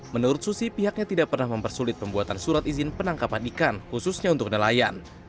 menurut susi pihaknya tidak pernah mempersulit pembuatan surat izin penangkapan ikan khususnya untuk nelayan